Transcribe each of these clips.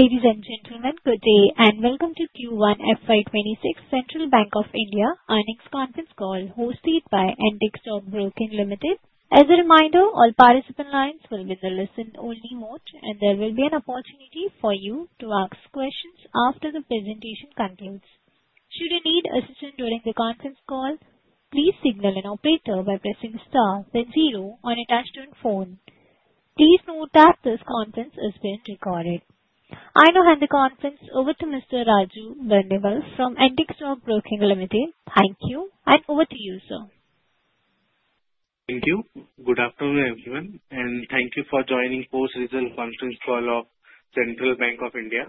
Ladies and gentlemen, good day and welcome to Q1FY26 Central Bank of India earnings conference call hosted by Antique Stockbroking Limited. As a reminder, all participant lines will be in the listen only mode and there will be an opportunity for you to ask questions after the presentation concludes. Should you need assistance during the conference call, please signal an operator by pressing *0 on your phone. Please note that this conference is being recorded. I now hand the conference over to Mr. Raju Barnawal from Antique Stockbroking Limited. Thank you and over to you, sir. Thank you. Good afternoon everyone and thank you for joining post result conference call of Central Bank of India.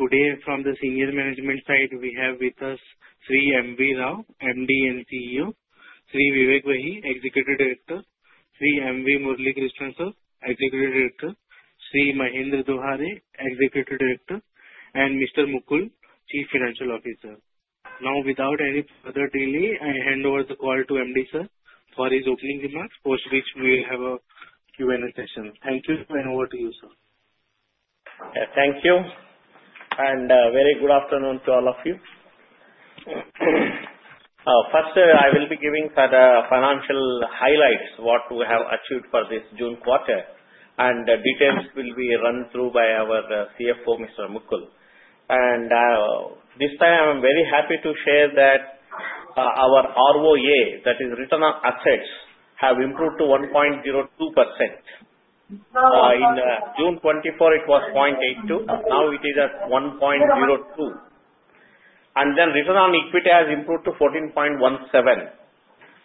Today from the senior management side we have with us Sri Matam Venkata Rao, MD and CEO, Sri Vivek Vahi, Executive Director, Sri M.V. Murali Krishnan, Executive Director, Sri Mahendra Dohare, Executive Director, and Mr. Mukul Dandige, Chief Financial Officer. Now, without any further delay, I hand over the call to MD sir for his opening remarks, post which we will have a Q and A session. Thank you. Over to you sir. Thank you and very good afternoon to all of you. First, I will be giving financial highlights. What we have achieved for this June quarter and details will be run through by our CFO Mr. Mukul Dandige. This time I am very happy to share that our ROA, i.e., Return on Assets, has improved to 1.02%. On June 24, it was 0.82. Now it is at 1.02, and then. Return on equity has improved to 14.17%.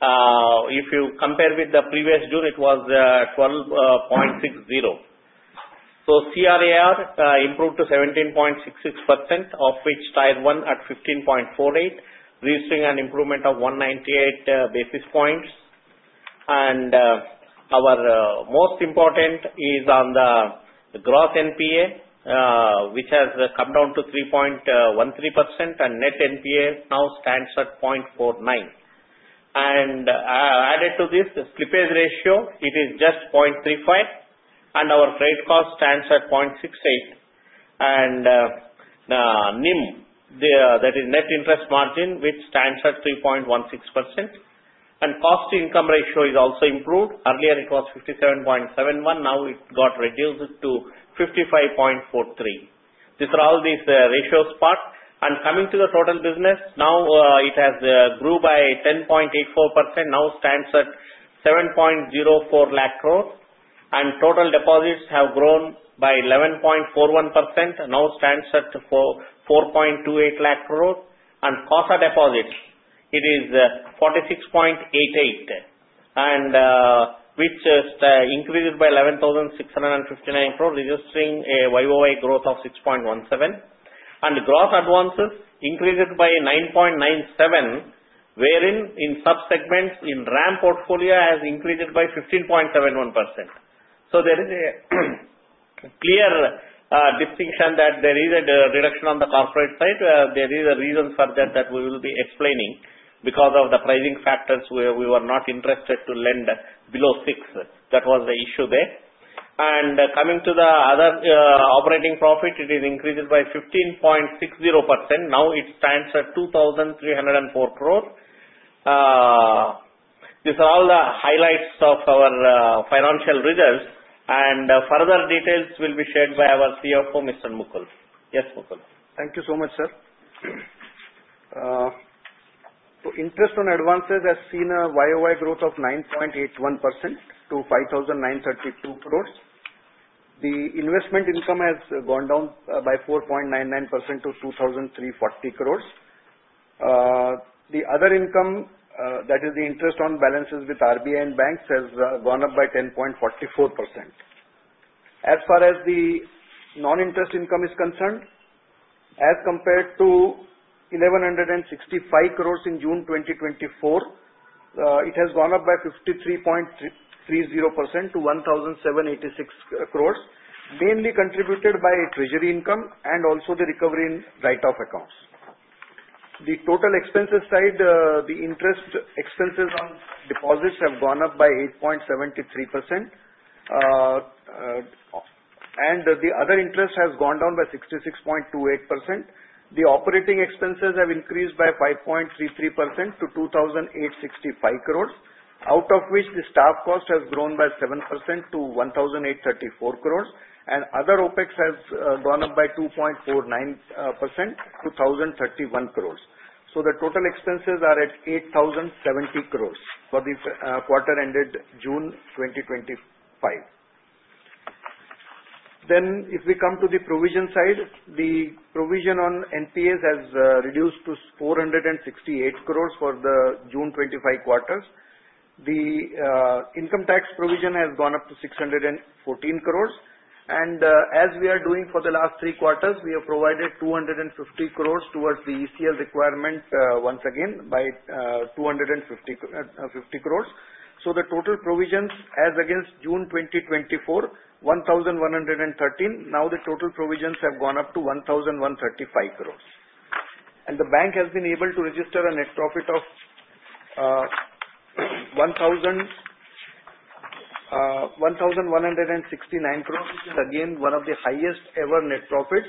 If you compare with the previous June, it was 12.60%. CRAR improved to 17.66% of which. CRAR won at 15.48% reflecting an improvement of 198 basis points. Our most important is on the gross NPA which has come down to 3.13%. Net NPA now stands at 0.49%. Added to this, the slippage ratio. It is just 0.35. Our freight cost stands at 0.68. NIM is net interest margin. Which stands at 3.16%. The cost-to-income ratio is also improved. Earlier it was 57.71%. Now it got reduced to 55.43%. These are all these ratios part and. Coming to the total business, now it has grew by 10.84%. Now stands at 7.04 trillion. Total deposits have grown by 11.41%. Now stands at 4.28 lakh crore. CASA deposits is 46.88% which increased by 11,659 crore, registering a YoY growth of 6.17%. Gross advances increased by 9.97%, wherein in subsegments in RAM portfolio has increased by 15.71%. There is a clear distinction that. There is a reduction on the cost rate side. There is a reason for that. We will be explaining. Because of the pricing factors, we were. Not interested to lend below 6%. That was the issue there. Coming to the other operating profit. It is increased by 15.60%. Now it stands at 2,304 crore. These are all the highlights of our financial results. Further details will be shared by. Our CFO Mr. Mukul Dandige. Yes, Mukul. Thank you so much. Sir. Interest on advances has seen a YoY growth of 9.81% to 5,932 crore. The investment income has gone down by 4.99% to 2,340 crore. The other income, that is the interest on balances with RBI and banks, has gone up by 10.44%. As far as the non-interest income is concerned, as compared to 1,165 crore in June 2024, it has gone up by 53.30% to 1,786 crore, mainly contributed by treasury income and also the recovery in written-off accounts. On the total expenses side, the interest expenses on deposits have gone up by 8.73%, and the other interest has gone down by 66.28%. The operating expenses have increased by 5.33% to 2,865 crore, out of which the staff cost has grown by 7% to 1,834 crore, and other OpEx has gone up by 2.49% to 1,031 crore. The total expenses are at 8,070 crore for the quarter ended June 2025. If we come to the provision side, the provision on NPAs has reduced to 468 crore for the June 2025 quarter. The income tax provision has gone up to 614 crore, and as we are doing for the last three quarters, we have provided 250 crore towards the ECL requirement, once again 250 crore. The total provisions as against June 2024, 1,113 crore, now the total provisions have gone up to 1,135 crore. The bank has been able to register a net profit of INR 1,169 crore, which is again one of the highest ever net profit,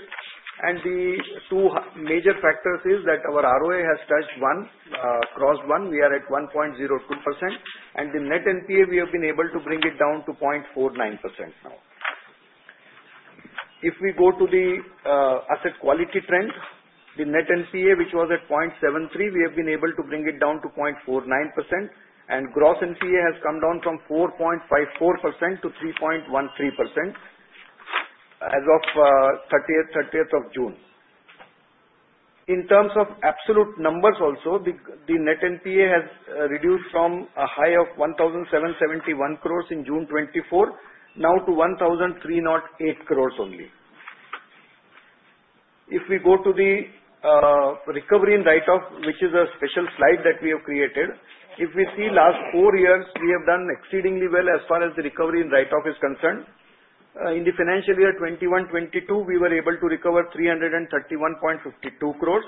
and the two major factors are that our ROA has touched one cross one, we are at 1.02%, and the net NPA we have been able to bring it down to 0.49%. If we go to the asset quality trend, the net NPA which was at 0.73%, we have been able to bring it down to 0.49%, and gross NPA has come down from 4.54% to 3.13% as of 30th of June. In terms of absolute numbers also, the net NPA has reduced from a high of 1,771 crore in June 2024 now to 1,308 crore only. If we go to the recovery in written-off, which is a special slide. That we have created. If we see last four years we have done exceedingly well as far as the recovery in write off is concerned. In the financial year 2021-22 we were able to recover 331.52 crore,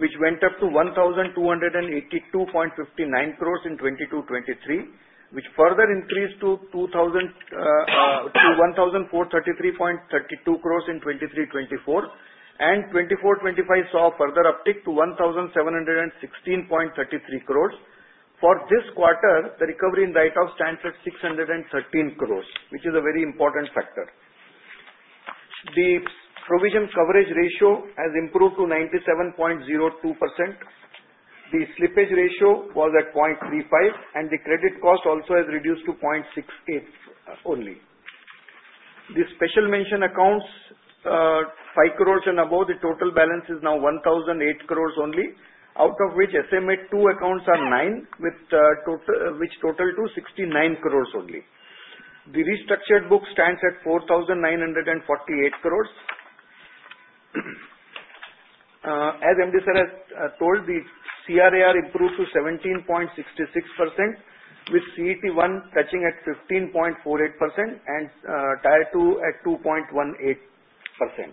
which went up to 1,282.59 crore in 2022-23, which further increased to 1,433.32 crore in 2023-24, and 2024-25 saw a further uptick to 1,716.33 crore. For this quarter, the recovery in write off stands at 613 crore, which is a very important factor. The provision coverage ratio has improved to 97.02%, the slippage ratio was at 0.35%, and the credit cost also has reduced to 0.68% only. The special mention accounts 5 crore and above, the total balance is now 1,008 crore only, out of which SMA2 accounts are 9, which total to 69 crore only. The restructured book stands at 4,948 crore. As MD sir has told, the CRAR improved to 17.66% with CET1 touching at 15.48% and Tier 2 at 2.18%.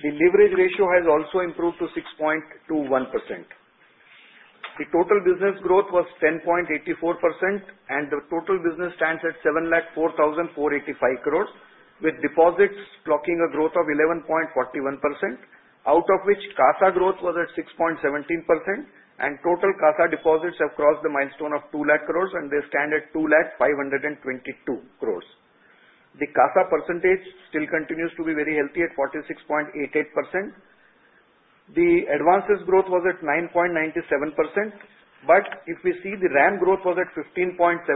The leverage ratio has also improved to 6.21%. The total business growth was 10.84% and the total business stands at 7,44,85 crore with deposits clocking a growth of 11.41%, out of which CASA growth was at 6.17% and total CASA deposits have crossed the milestone of 2 lakh crore and they stand at 2,00,522 crore. The CASA percentage still continues to be very healthy at 46.88%. The advances growth was at 9.97%. If we see the RAM growth, it was at 15.71%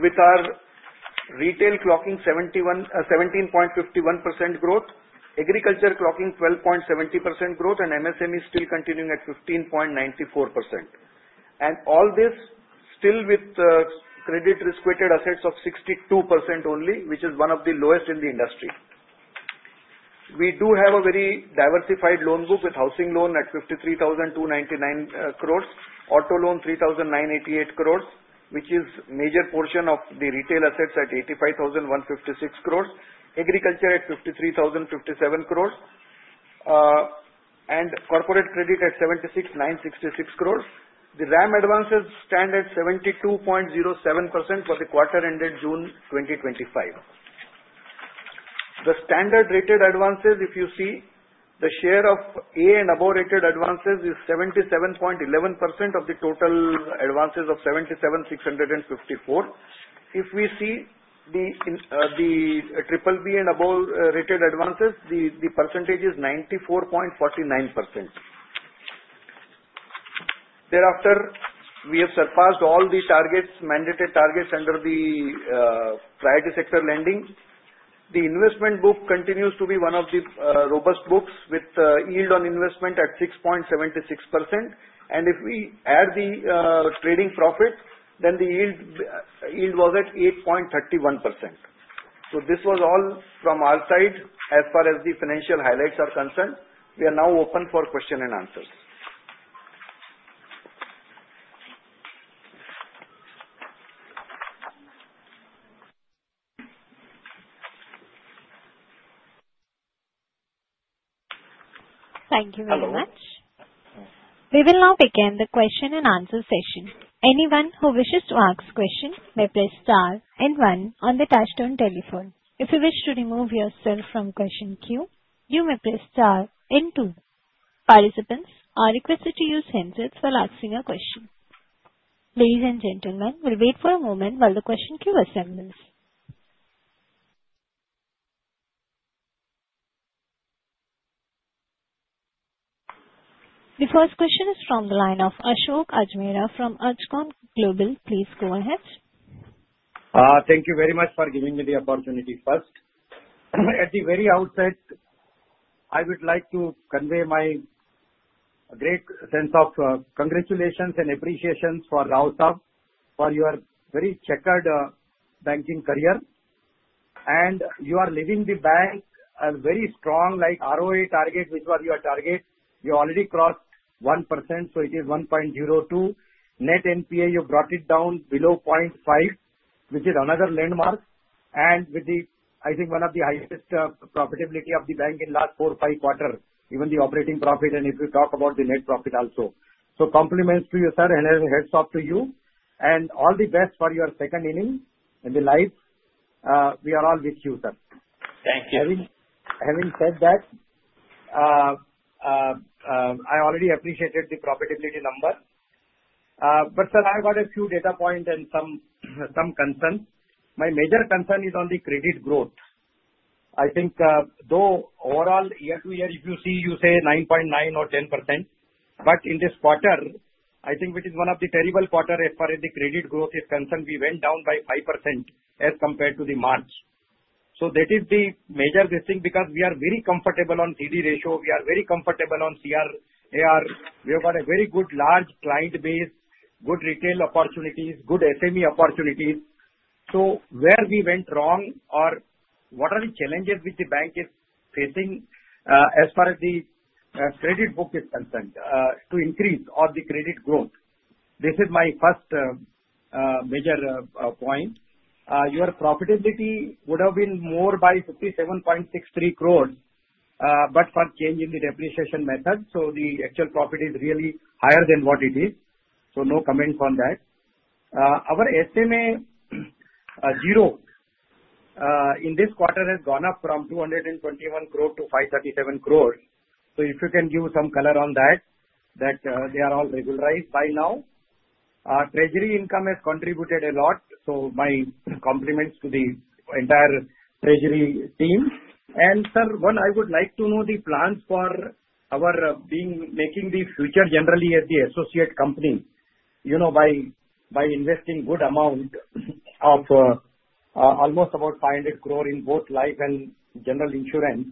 with our retail clocking 17.51% growth, agriculture clocking 12.70% growth, and MSME still continuing at 15.94%. All this still with credit risk weighted assets of 62% only, which is one of the lowest in the industry. We do have a very diversified loan book with housing loan at INR 53,299 crore, auto loan INR 3,988 crore, which is major portion of the retail assets at INR 85,156 crore, agriculture at INR 53,057 crore, and corporate credit at INR 76,966 crore. The RAM advances stand at 72.07% for the quarter ended June 2025. The standard rated advances, if you see, the share of A and above rated advances is 77.11% of the total advances of 77,654 crore. If we see the BBB and above rated advances, the percentage is 94.49%. Thereafter, we have surpassed all the mandated targets under the priority sector lending. The investment book continues to be one of the robust books with yield on investment at 6.76%, and if we add the trading profit, then the yield was at 8.31%. This was all from our side as far as the financial highlights are concerned. We are now open for question and answers. Thank you very much. We will now begin the question and answer session. Anyone who wishes to ask a question may press star and one on the touchtone telephone. If you wish to remove yourself from the question queue, you may press star and two. Participants are requested to use handsets while asking a question. Ladies and gentlemen, we'll wait for a moment while the question queue assembles. The first question is from the line of Ashok Ajmera from AJCOM Global. Please go ahead. Thank you very much for giving me the opportunity. First, at the very outset, I would like to convey my great sense of congratulations and appreciation for Rao sir, for your very checkered banking career, and you are leaving the bank a very strong, like ROE target, which was your target. You already crossed 1%, so it is 1.02. Net NPA, you brought it down below 0.5%, which is another landmark, and with, I think, one of the highest profitability of the bank in the last four, five quarters. Even the operating profit, and if you. Talk about the net profit also. Compliments to you, sir, and hats off to you and all the best for your second inning in life. We are all with you, sir. Thank you. Having said that. I already appreciated the profitability number. Sir, I got a few data points and some concern. My major concern is on the credit growth. I think though overall year to year if you see, you say 9.9% or 10%, but in this quarter I think. Which is one of the terrible quarters. As far as the credit growth is concerned, we went down by 5% as compared to March. That is the major thing because we are very comfortable on CD ratio. We are very comfortable on CRAR. We have got a very good large client base, good retail opportunities, good SME opportunities. Where we went wrong or what are the challenges which the bank is facing as far as the credit book is concerned to increase or the credit growth. This is my first major point. Your profitability would have been more by 57.63 crore but for change in the depreciation method. The actual profit is really higher than what it is. No comments on that. Our SMA0 in this quarter has gone up from 221 crore to 537 crore. If you can give some color on that, that they are all regularized by now. Treasury income has contributed a lot. My compliments to the entire treasury team. Sir, I would like to. Know the plans for our being making the Future Generali at the associate company you know by investing good amount of almost about 500 crore in both life and general insurance.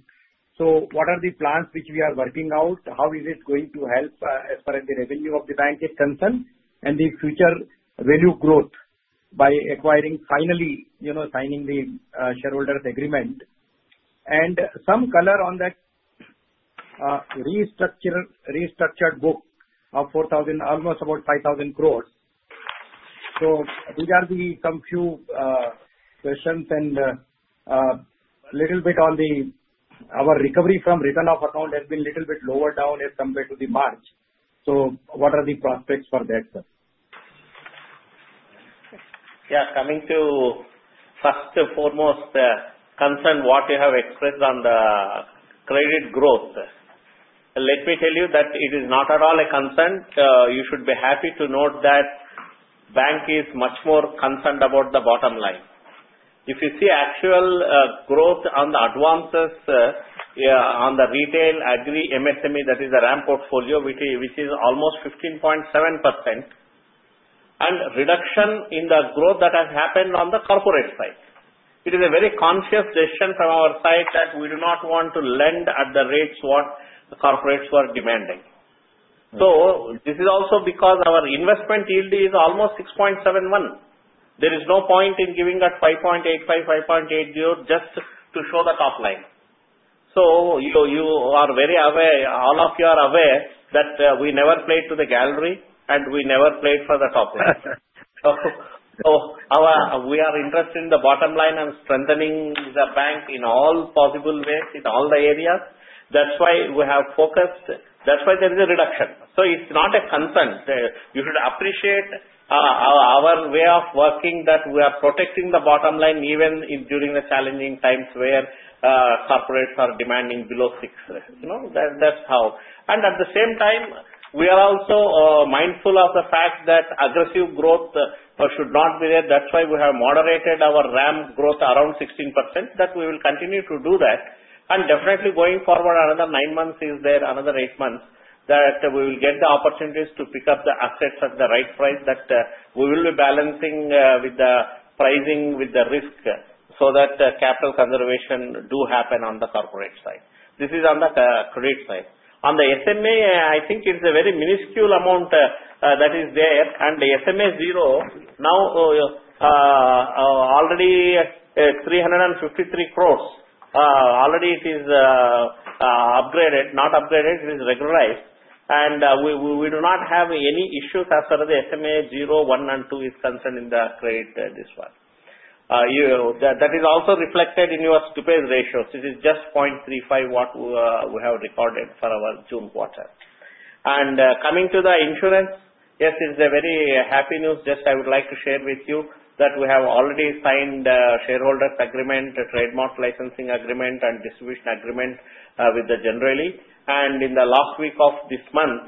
What are the plans which we are working out, how is it going. To help as far as the revenue. Of the bank is concerned and the future value growth by acquiring, finally, you know, signing the shareholders agreement and some. Color on that. Restructured book of 4,000 million. Almost about 5,000 crore. These are the some few questions and little bit on the. Our recovery from written-off accounts has. Been a little bit lower down as compared to March. What are the prospects for that, sir? Yeah, coming to first and foremost concern. What you have expressed on the credit growth, let me tell you that it is not at all a concern. You should be happy to note that the bank is much more concerned about the bottom line. If you see actual growth on the advances on the retail, agri, MSME, that is the RAM portfolio, which is almost 15.7%, and reduction in the growth that has happened on the corporate side. It is a very conscious decision from our side that we do not want. To lend at the rates what the corporates were demanding. This is also because our investment. Yield is almost 6.71%. There is no point in giving at 5.85%, 5.80% just to show the top line. You are very aware, all of you are aware that we never played. To the gallery, and we never played for the top line. We are interested in the bottom line and strengthening the bank in all possible ways in all the areas. That's why we have focused. That's why there is a reduction. It's not a concern. You should appreciate our way of working, that we are protecting the bottom line even during the challenging times where corporates. Are demanding below six. That's how. At the same time, we are. Also mindful of the fact that aggressive growth should not be there. That is why we have moderated our RAM growth around 16% that we will. Continue to do that and definitely going. Forward another nine months. Is there another eight months that we will get the opportunities to pick up the assets at the right price that we will be balancing with the pricing? With the risk so that capital conservation do happen. On the corporate side, this is on the credit side. On the SMA, I think it's a very minuscule amount that is there. The SMA 0 now, already 353 crore, already it is regularized. We do not have any issues. As far as the SMA 01 and. 2 is concerned in the credit distribution. That is also reflected in your stupid ratios. It is just 0.35% what we have. Recorded for our June quarter. Coming to the insurance. Yes, it is very happy news. Just I would like to share with you that we have already signed shareholders agreement, trademark licensing agreement, and distribution agreement with the Generali and in the last. Week of this month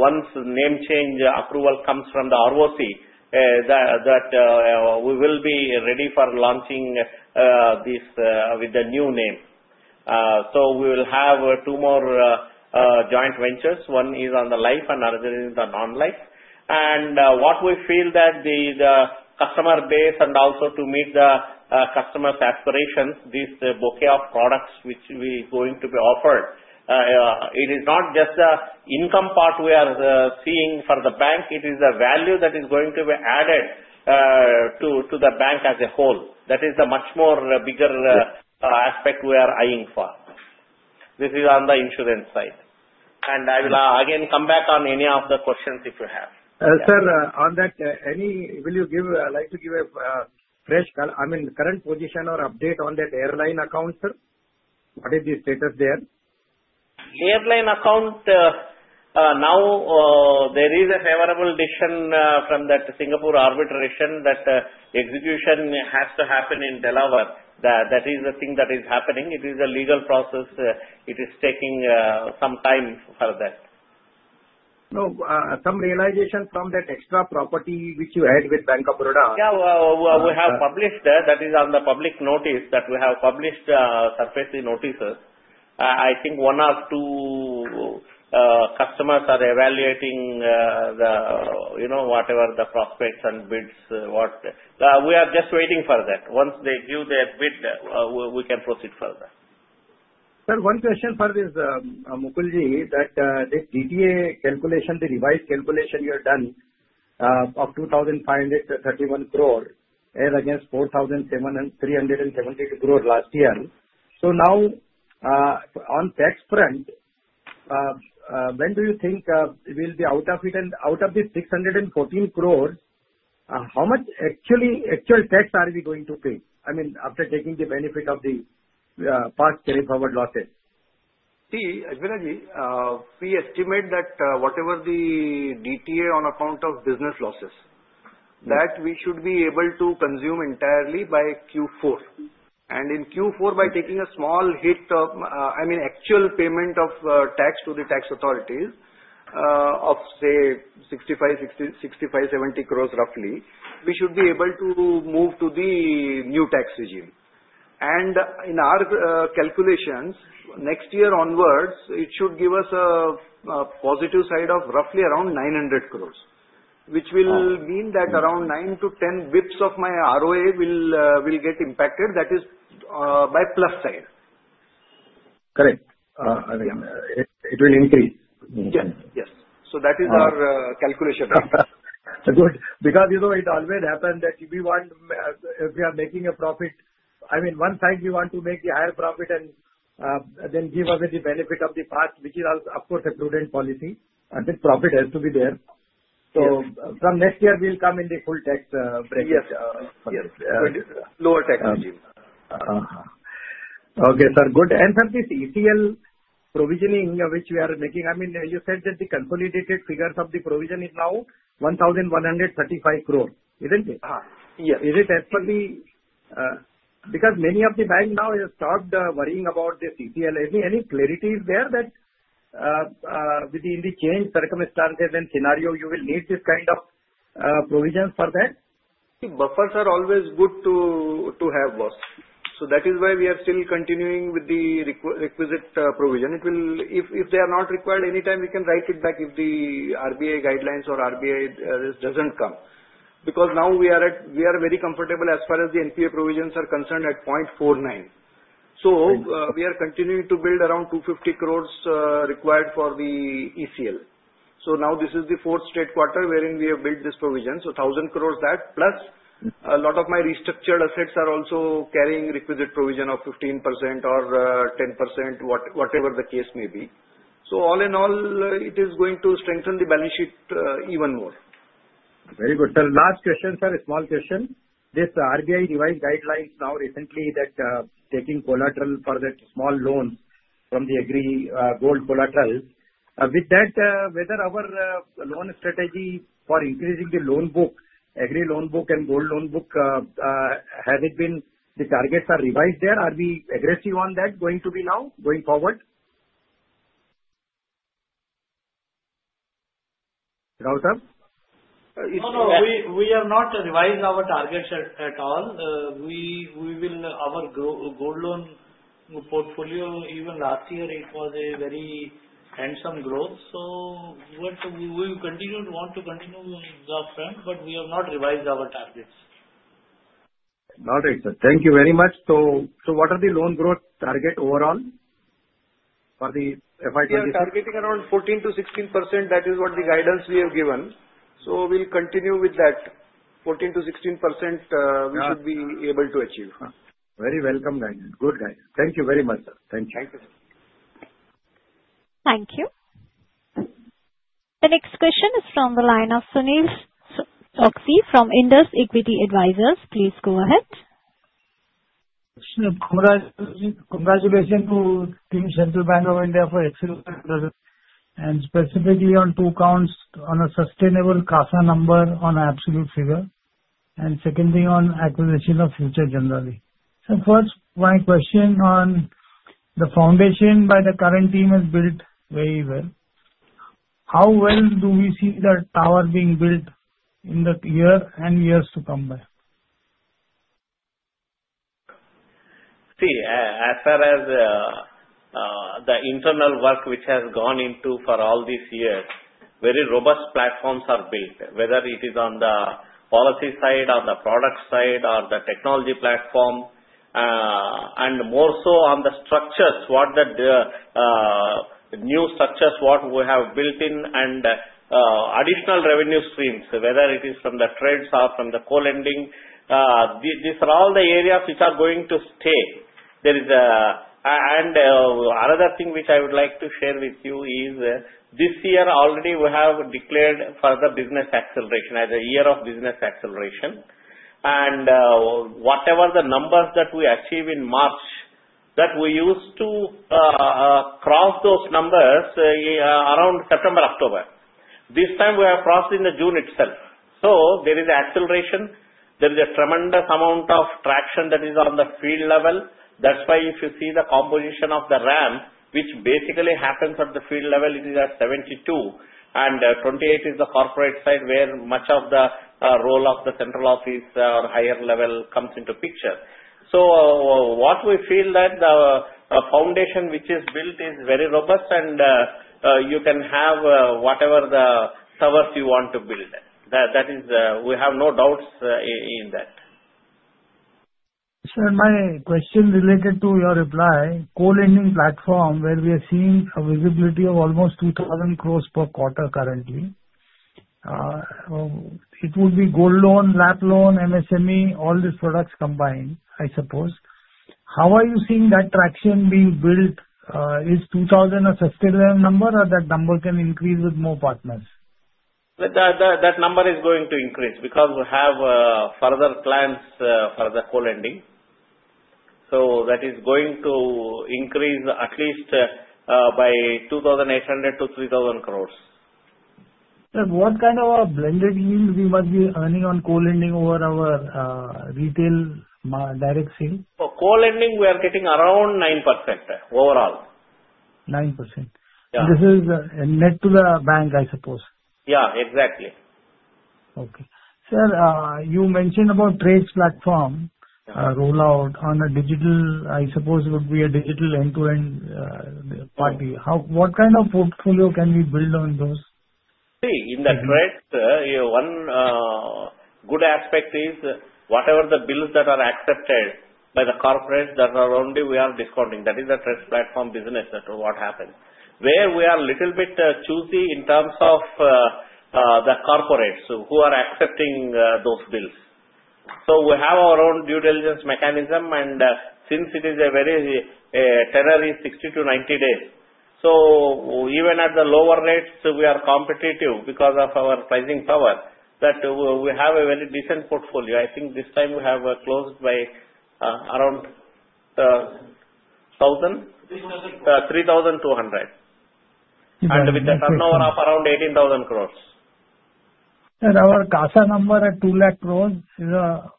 once name change. Approval comes from the Rock that we will be ready for launching this with the new name. We will have two more joint ventures, one is on the life and another. Is the non-life. We feel that the customer base is important, also to meet the customers' aspirations. This bouquet of products which we are going to be offered. It is not just income part we are seeing for the bank. It is the value that is going to be added to the bank as a whole. That is the much bigger aspect. We are eyeing for this on the insurance side. I will again come back on. If you have any questions. Sir, on that, will you like to give a fresh, I mean, current position or update on that airline account? Sir, what is the status there? Airline account. Now there is a favorable addition from that Singapore arbitration. That execution has to happen in Delaware. That. That is the thing that is happening. It is a legal process. It is taking some time for that. No. Some realization from that extra property which you had with Central Bank of India. Yeah. We have published. That is on the public notice that we have published SARFAESI notices. I think one or two customers are evaluating the, you know, whatever the prospects and bids. We are just waiting for that. Once they give their bid, we can proceed further. Sir, one question for this Mukul Dandige. The DTA calculation, the revised calculation you have done is 2,531 crore as against 4,007.372 crore last year. Now on the tax front, when do you think we will be out of it? Out of this 614 crore, how much actual tax are we going to pay, after taking the benefit of the past carry forward losses? See, Ajvaraji, we estimate that whatever the DTA on account of business losses, we should be able to consume entirely by Q4. In Q4, by taking a small hit of, I mean, actual payment of tax too. The tax authorities of say 65, 65. 70 crore roughly we should be able to move to the new tax regime. In our calculations, next year onwards it should give us a positive side of roughly around 900 crore, which will mean that around 9 to 10 bps of my ROA will get impacted. That is by plus side. Correct. It will increase. Yes. Yes. That is our calculation. Good. Because you know it always happened that we want. If we are making a profit, I mean one side we want to make the higher profit and then give us the benefit of the past, which is of course a prudent policy. Profit has to be there. From next year we'll come in the full tax break. Yes. Yes, lower tax. Okay, sir. Good answer. This ECL provisioning which we are making, you said that the consolidated. Figures of the provision is now 1,135 crore, isn't it? Yeah. Is it? As for the, because many of the bank now has stopped worrying about the CRAR. Any. Is there any clarity that within the changed circumstances and scenario you will need this kind of provision for that? Buffers are always good to have, boss. That is why we are still continuing with the requisite provision. It will. If they are not required anytime we can write it back. If the RBI guidelines or RBI doesn't come because now we are at. We are very comfortable as far as the NPA provisions are concerned at 0.49%. We are continuing to build around 250 crore required for the ECL. This is the fourth straight quarter wherein we have built this provision. 1,000 crore that plus a lot of my restructured assets are also carrying requisite provision of 15% or 10% whatever. The case may be. All in all, it is going to strengthen the balance sheet even more. Very good, sir, last question. Sir, a small question. This RBI revised guidelines now recently that taking collateral for that small loan from the agri gold collateral. With that, whether our loan strategy for increasing the loan book, agri loan book, and gold loan book, has it been the targets are revised there? Are we aggressive on that going to be now going forward? No, no, we have not revised our targets at all. Our gold loan portfolio even last year. It was a very handsome growth. What we continue to want to. Continue the up front, but we have not revised our targets. All right, sir, thank you very much. What are the loan growth target? Overall for the FY2020? We are targeting around 14 to 16%. That is what the guidance we have given. We will continue with that. 14 to 16% we should be able to achieve. Very welcome, guys. Good, guys. Thank you very much, sir. Thank you. Thank you. The next question is from the line of Sunny Oxy from Indus Equity Advisors. Please go ahead. Congratulations to team Central Bank of India for excellent results and specifically on two counts: on a sustainable CASA number on absolute figure, and second thing on acquisition of Future Generali. First, my question on the foundation by the current team is built very well. How well do we see the tower being built in the year and years to come by. See as far as the internal work which has gone into all these. Years, very robust platforms are built, whether it is on the policy side, on the product side, or the technology platform. More so on the structures, what. The new structures, what we have built in and additional revenue streams, whether it is from the trades or from the co-lending, these are all the areas which are going to stay. Another thing which I would like. To share with you is this year. Already, we have declared further business acceleration. As a year of business acceleration. Whatever the numbers that we achieve. In March that we used to cross. Those numbers around September, October, this time we have crossed in the June itself. There is acceleration, there is a tremendous amount of traction that is on the field level. That is why if you see the. Composition of the RAM, which basically happens at the field level, it is at. 72 and 28 is the corporate side where much of the role of the. Central office or higher level comes into picture. What we feel is that the foundation which is built is very robust, and you can have whatever the servers you want to build. That is, we have no doubts in that. Sir, my question related to your reply co-lending platform where we are seeing a visibility of almost 2,000 crore per quarter. Currently, it would be gold loan, LAP loan, MSME. All these products combined, I suppose. How are you seeing that traction being built? Is 2,000 crore a subsidy number or that number can increase with more partners? That number is going to increase because we have further plans for the co-lending. That is going to increase at. least by 2,800 to 3,000 crore. What kind of a blended yield we must be earning on co-lending over our retail direct sales? For co-lending we are getting around 9% overall. 9%. This is a net to the bank, I suppose. Yeah, exactly. Okay. Sir, you mentioned about trades platform rollout on a digital. I suppose it would be a digital end-to-end party. How, what kind of portfolio can we build on those? See, in the trade, one good aspect is whatever the bills that are accepted. By the corporate, that are only we are discounting. That is a trades platform business. That is what happens where we are a little bit choosing in terms of the corporates who are accepting those bills. We have our own due diligence mechanism. Since it is a very tender, it is 60 to 90 days. Even at the lower rates, we are competitive because of our pricing power, and we have a very decent portfolio. I think this time we have closed by around 3,200 and with the turnover. Of around 18,000 crore. Our CASA number at 2 lakh crore is a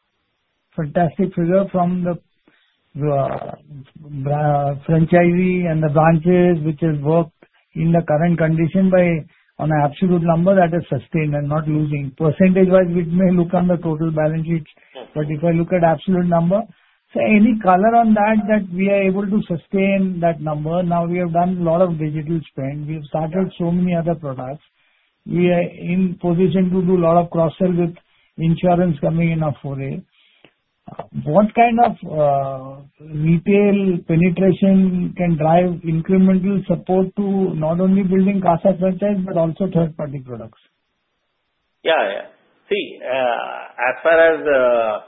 fantastic figure from the franchisee and the branches, which has worked in the current condition by, on an absolute number, that is sustained and not losing % wise. We may look on the total balance sheets. If I look at absolute number, any color on that, that we are able to sustain that number. Now we have done a lot of digital spend. We have started so many other products. We are in position to do a lot of cross sell with insurance coming in of 4A. What kind of retail penetration can drive incremental support to not only building CASA franchise but also third party products? Yeah, see as far as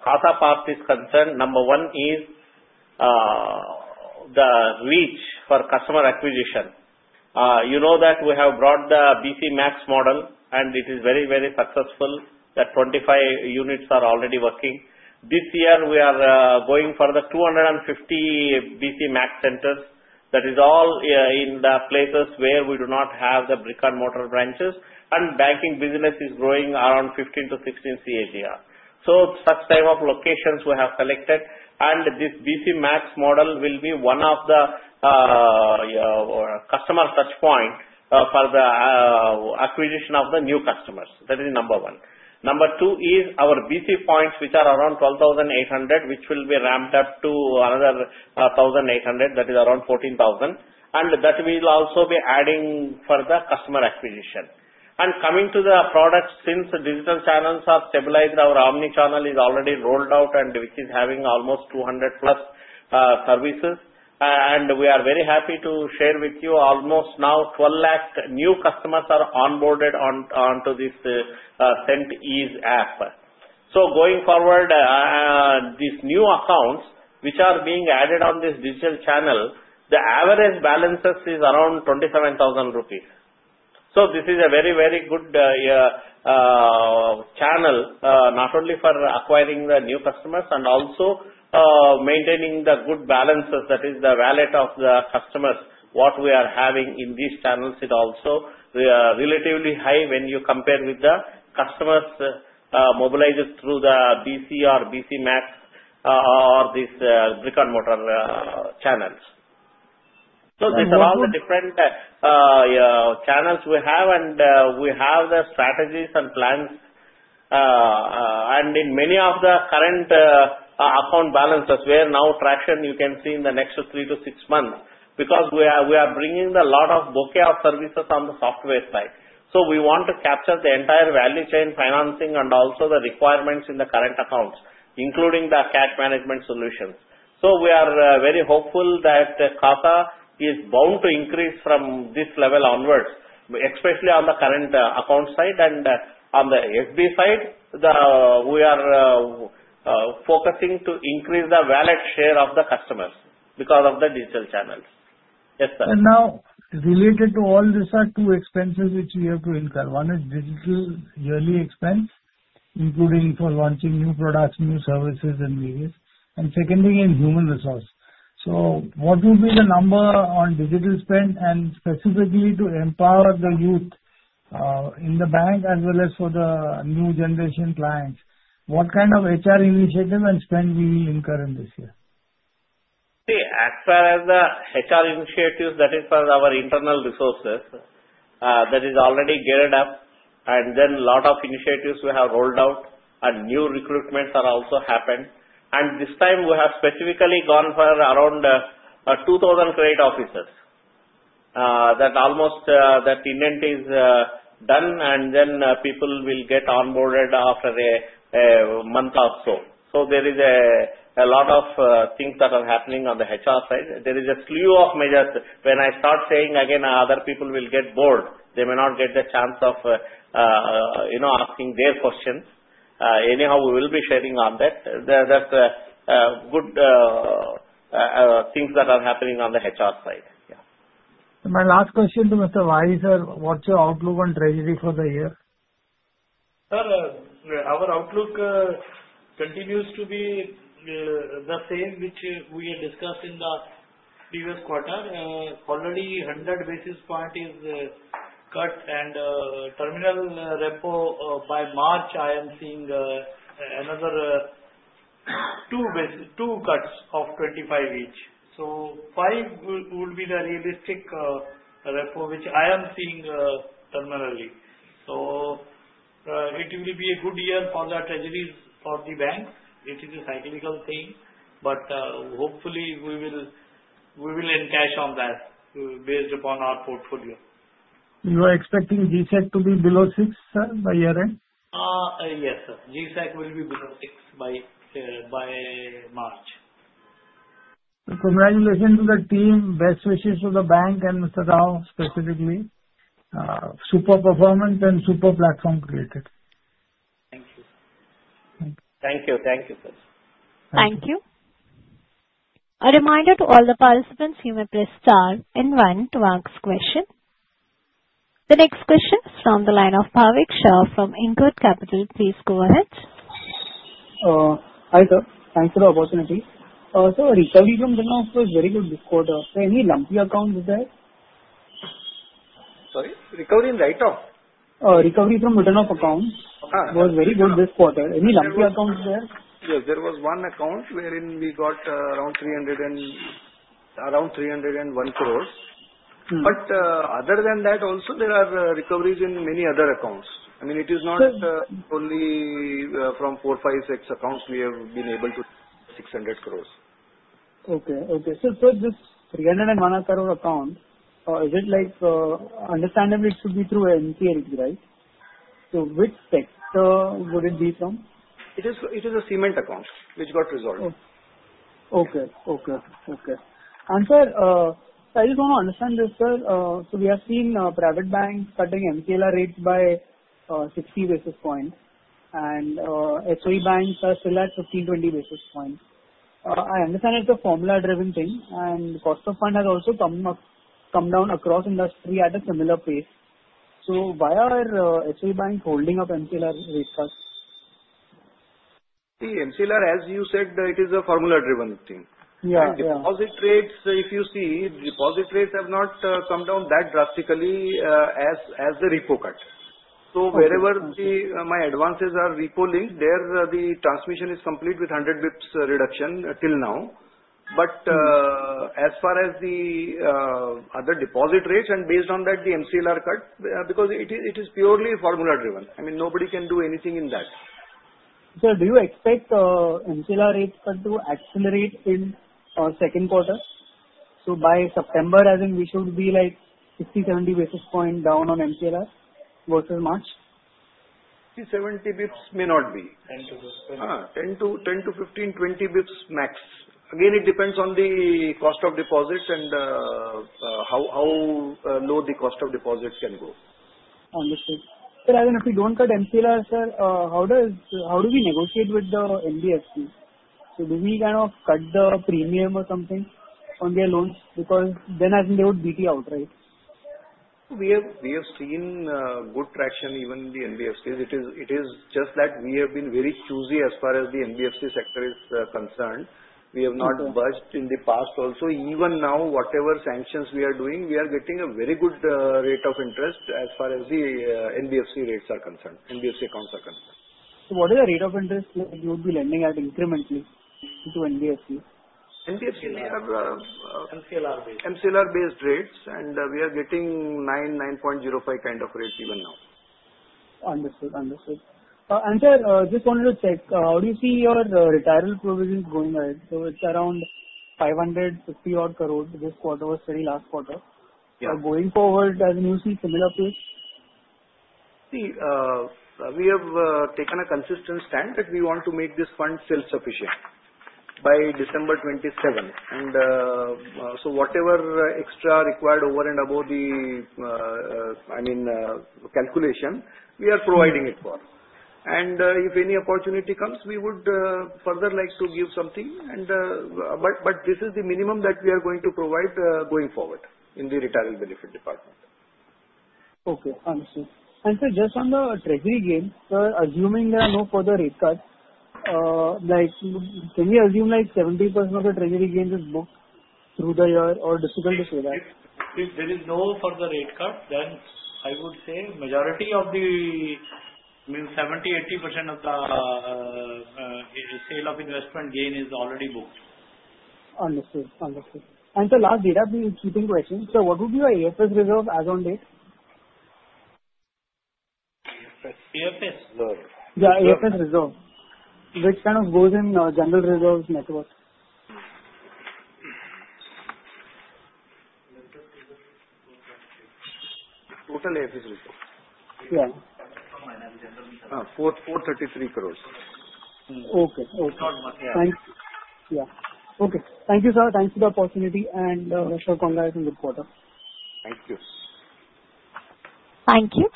CASA part is concerned, number one is. The reach for customer acquisition. You know that we have brought the. BC Max model, and it is very. Very successful that 25 units are already working. This year we are going for. The 250 BC max centers. That is all in the places where. We do not have the brick and. Mortar branches and banking business is growing. Around 15 to 16% CAGR. We have selected such types of locations, and this BC Max model will be one of the. Customer touch points for. The acquisition of the new customers, that is number one. Number two is our BC points, which are around 12,800, which will be ramped up to another 1,800, that is around 14,000, and that we will also be adding for the customer acquisition. Coming to the products, since digital channels are stabilized, our omnichannel is already rolled out and which is having almost 200 plus services, and we are very happy to share with you, almost now 1.2 million new customers are. Onboarded onto this CentEase app. Going forward, these new accounts which are being added on this digital channel, the average balances is around 27,000 rupees. This is a very, very good channel not only for acquiring the new customers and also maintaining the good balances that is the valet of the customers. What we are having in these channels is also relatively high when you compare with the customers mobilized through the B.C. Or B.C. Max or these brick and mortar channels. These are all the different channels we have, and we have the strategies and plans. In many of the current account balances, where now traction you can see. In the next three to six months. Because we are bringing a lot of bouquet of services on the software side, we want to capture the entire value chain financing and also the requirements. In the current accounts, including the cash management solutions. We are very hopeful that CASA is bound to increase from this level onwards, especially on the current account side and on the FB side. We are focusing to increase the valid share of the. Customers because of the digital channels. Related to all these are two expenses which we have to incur. One is digital yearly expense, including for launching new products, new services, and various. Secondly, in human resource. What would be the number on digital spend and specifically to empower the youth in the bank as well as for the new generation clients? What kind of HR initiative and spend will we incur in this year? See, as far as the HR initiatives, that is for our internal resources. Is already geared up. We have a lot of initiatives. Rolled out and new recruitments have also happened. This time we have specifically gone for around 2,000 credit officers. That appointment is done, and people will get onboarded after a month or so. There are a lot of things that are happening on the HR side. There is a slew of measures. When I start saying again, other people will get bored. They may not get the chance. You know, asking their questions. Anyhow, we will be sharing on that, that good things that are happening on the HR side. My last question to Mr. Vahi sir. What's your outlook on treasury for the year? Our outlook continues to be the same. Which we had discussed in the previous quarter. Already 100 basis points is cut and terminal repo. By March I am seeing another two cuts of 25 each. Five would be the realistic which. I am seeing terminally, so it will be a good year. For the treasuries of the bank. It is a cyclical thing, but hopefully we will end cash on that. Based upon our portfolio, you are expecting. G-Sec to be below 6% by year end? Yes sir. G-Sec will be below 6% by March. Congratulations to the team. Best wishes to the bank and Mr. Rao specifically. Super performance and super platform created. Thank you. Thank you. Thank you. Thank you. A reminder to all the participants, you may press star and one to ask question. The next question is from the line of Bhavik Shah from Inkot Capital. Please go ahead. Hi sir. Thanks for the opportunity. Recovery from written-off accounts was very good this quarter. Any lumpy accounts is there? Sorry? Recovery in written-off accounts. Recovery from return of accounts was very good this quarter. Any lumpy accounts there? Yes, there was one account wherein we got around 300 crore and around 301 crore. Other than that, also, there are recoveries in many other accounts. It is not only from 4, 5, 6 accounts; we have been able to recover 600 crore. Okay. Okay. For this 301 account, is it like, understandably, it should be through NCA, right? Which sector would it be from? It is. It is a cement account which got resolved. Okay, I just want to understand this, sir. We have seen private banks cutting MCLR rates by 60 basis points. PSU banks are still at 1520 basis points. I understand it's a formula-driven thing, and cost of fund has also come down across industry at a similar pace. Why are PSU banks holding up MCLR rate cuts? See MCLR. As you said, it is a formula-driven thing. Deposit rates, if you see, deposit rates have not come down that drastically as the repo cut. Wherever my advances are repo linked, there the transmission is complete with 100 bps reduction till now. As far as the other deposit rates and based on that, the MCLR cut, because it is purely formula driven, I mean nobody can do anything in that. Sir, do you expect MCLR cut to accelerate in second quarter? By September, as in, we should be like 50/70 basis points down on MCLR versus March. 70 bps may not. Be 10 to 15 to 20 bps max. Again, it depends on the cost of deposits and how low the cost of deposits can go. Understood. If we don't cut MCLR, sir, how do we negotiate with the NBSP? Do we kind of cut the premium or something on their loans? I think they would BT out. Right. We have seen good traction even in the NBFCs. It is just that we have been very choosy as far as the NBFC sector is concerned. We have not budged in the past. Also, even now, whatever sanctions we are doing, we are getting a very good rate of interest as far as the NBFC rates are concerned. NBSP accounts are concerned. What is the rate of interest you would be lending at incrementally to? MCLR based rates and we. Are getting 99.05% kind of rates even now. Understood, understood. I just wanted to check how do you see your retireal provisions going ahead? It's around 550 crore this quarter, was very last quarter. Going forward, as you see similar pace, see we. have taken a consistent stand that we want to make this fund self-sufficient by December 27, 2023. Whatever extra is required over and above the calculation, we are providing it for. If any opportunity comes, we would further like to give something. This is the minimum that we are going to provide going forward in the retirement benefit department. Okay. Just on the treasury gain, assuming there are no further rate cuts, can we assume 70% of the treasury gains is booked through the year, or is it difficult to say that? There is no further rate cut, then I would say majority of the means. 70%, 80% of the sale of investment. Gain is already booked. What would be your AFS reserve as on date? AFS reserve, which kind of goes in general reserve network. Yeah. 433 crores. Okay. Yeah. Okay. Thank you, sir. Thanks for the opportunity and congratulations. Thank you. Thank you.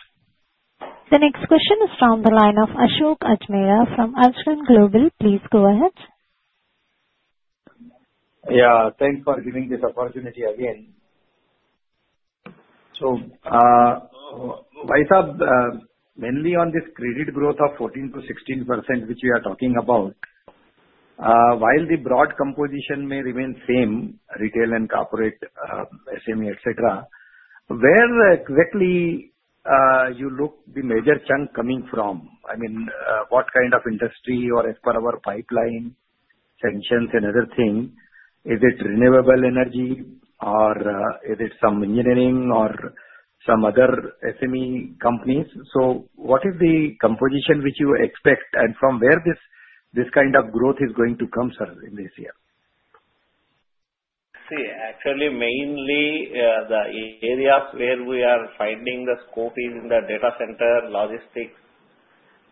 The next question is from the line of Ashok Ajmera from Ashram Global. Please go ahead. Yeah, thanks for giving this opportunity again. Vaitab, mainly on this credit growth of 14% to 16% which we are talking about. While the broad composition may remain same, retail and corporate SME etc. Where exactly do you look the major chunk coming from? I mean, what kind of industry or as per our pipeline sanctions and other things, is it renewable energy or is it some engineering or some other SME companies? What is the composition which you expect and from where is this kind of growth going to come, sir, in this year? See, actually, mainly the areas where we. Are finding the scope is in the data center, logistics.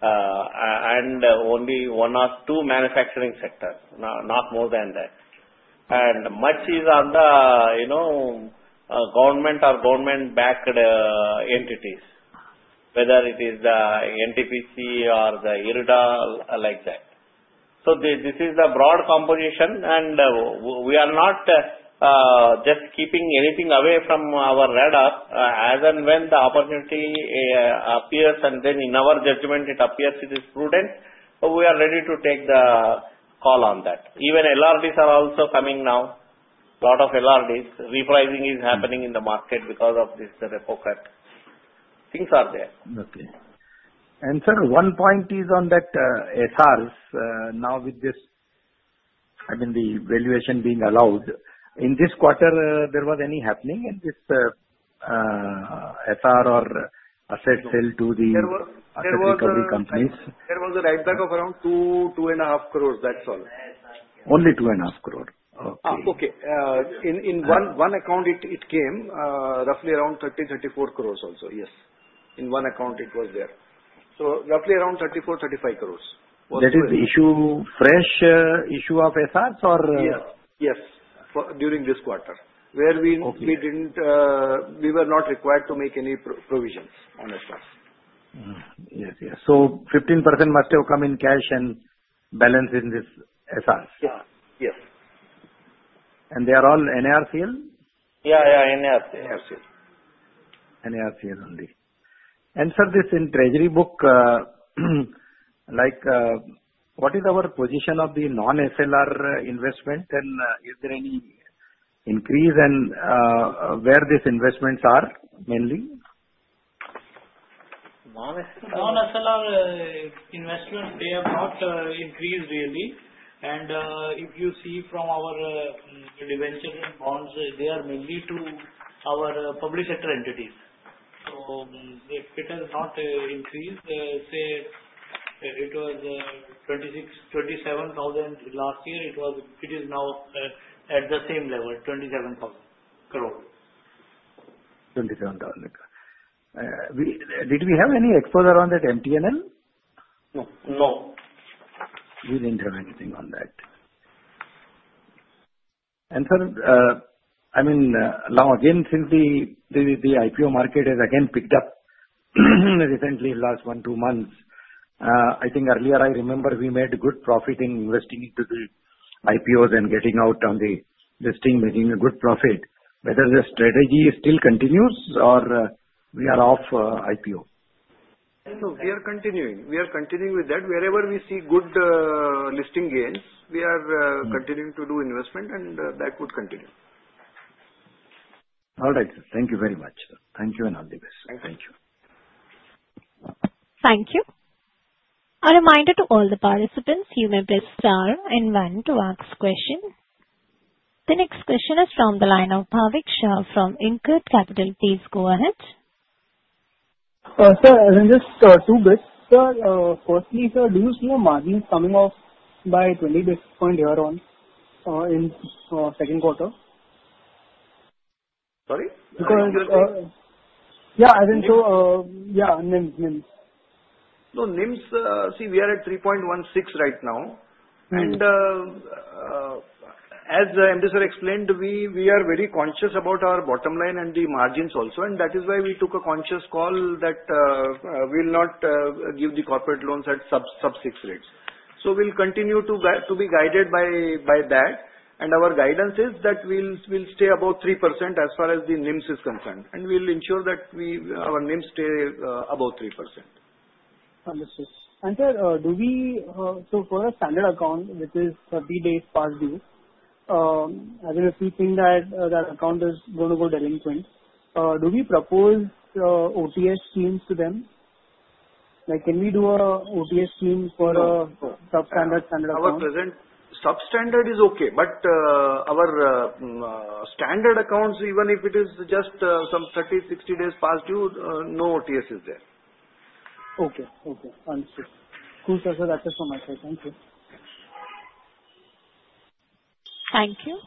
Only one or. Two manufacturing sectors, not more than that. Much is on the government or government-backed entities, whether it is NTPC or IREDA like that. This is the broad composition, and we are not just keeping anything away from our radar. As and when the opportunity appears and then in our judgment it appears it is prudent, we are. Ready to take the call on that. Even IREDAs are also coming now a lot. Of loans repricing is happening in the market because of this repo crack things are there. Okay, sir, one point is on that SR. Now with this, I mean the valuation being allowed in this quarter, was there any happening in this SR or asset sale to the recovery companies? There was a write back of around. 2.25 crore. That's all, only 2.5 crore. Okay, in one account it came roughly around 3,034 crore also. Yes, in one account it was there. Roughly around 3.435 billion. That is issue, fresh issue of SRS. Yes, for during this quarter, we were not required to make. Any provisions on SRS? Yes, yes. Fifteen must have come in cash. Balance in this asset. Yes. They are all NARCL. Yeah, yeah. Narcl, only answer this in treasury book. What is our position of the non-SLR investment, and is there any increase, and where are these investments? Are mainly. Non-SLR investments, they have not increased really. If you see from our debenture and bonds, they are mainly to our. Public sector entities. It has not increased. Say it was 26,000, 27,000 last year. It is now at the same level, 27,000 crore. 27,000 crore. Did we have any exposure on that MTNL? No, no we didn't have anything on that. Sir, I mean now again since the IPO market has again picked up recently, last 12 months I think earlier I remember we made a good profit in investing into the IPOs and getting out on the listing, making a good profit. Whether the strategy still continues or we are off IPO. No, we are continuing. We are continuing with that. Wherever we see good listing gains, we are continuing to do investment, and that could continue. All right, thank you very much. Thank you and all the best. Thank you. Thank you. A reminder to all the participants, you may press star and one to ask question. The next question is from the line of Bhavik Shah from Inkut Capital. Please go ahead sir. Just two bits. Firstly, sir, do you see a margin coming up by 20 basis points here on in second quarter? Sorry. Yeah. As in. Yeah, no NIMs. See, we are at 3.16 right now, and as MD sir explained, we are very conscious about our bottom line and the margins also. That is why we took a conscious call that we'll not give the. Corporate loans at sub 6% rates. We will continue to be guided by that. Our guidance is that we will stay above 3% as far as the net interest margin is concerned, and we will ensure that our net interest margin stays above 3%. Understood. Sir, for a standard account which is 30 days past due, if we think that account is going to go delinquent, do we propose OTS schemes to them? Can we do an OTS scheme for a substandard standard? Our present substandard is okay, but our standard accounts, even if it is just some 30, 60 days past due, no OTS is there. Okay. Okay. Thank you. Thank you.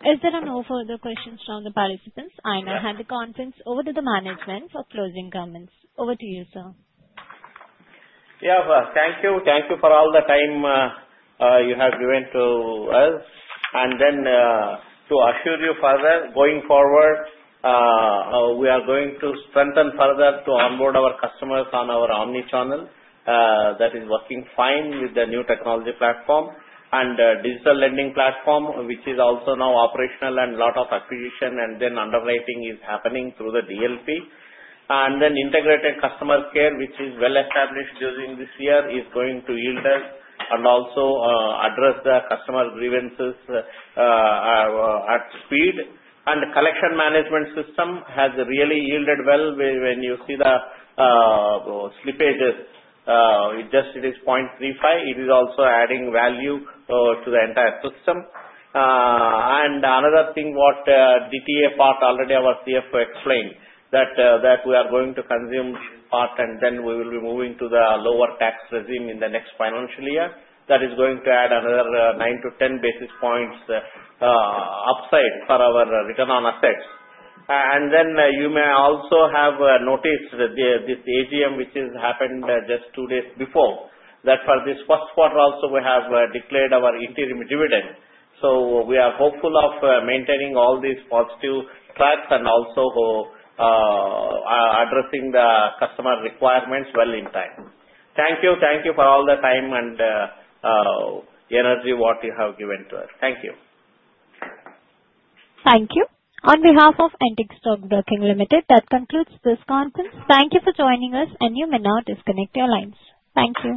As there are no further questions from the participants, I now hand the conference over to the management for closing comments. Over to you, sir. Yeah, thank you. Thank you for all the time. Have given to us. To assure you further, going forward we are going to strengthen further to onboard our customers on our omni channel. That is working fine with the new. Technology platform and digital lending platform which is also now operational and lot. Of acquisition and then underwriting is happening. Through the DLP and then integrated customer care, which is well established during this. Year is going to yield us. Also address the customer grievances at speed. The collection management system has really yielded well when you see the slippages, just it is 0.35%. It is also adding value to the entire system. Another thing, what DTA part already our CFO explained, that we are going to consume this part and then we will be moving to the lower tax regime in the next financial year. That is going to add another 9%. To 10 basis points upside for our return on assets. You may also have noticed this AGM, which has happened just two days before that for this first quarter. Also, we have declared our interim dividend. We are hopeful of maintaining all. These positive tracks also. Addressing the customer requirements. Thank you. Thank you for all the time and energy you have given to. Thank you. Thank you on behalf of Antique Stockbroking Limited. That concludes this conference. Thank you for joining us. You may now disconnect your lines. Thank you.